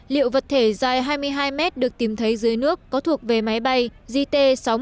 liệu vật thể dài hai mươi hai mét được tìm thấy dưới nước có thuộc về máy bay jt sáu mươi một nghìn hai mươi